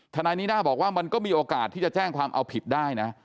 นายนิด้าบอกว่ามันก็มีโอกาสที่จะแจ้งความเอาผิดได้นะ